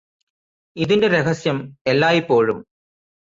ഇതിന്റെ രഹസ്യം എല്ലായ്പ്പോഴും